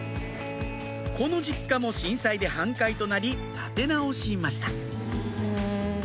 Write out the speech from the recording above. この実家も震災で半壊となり建て直しました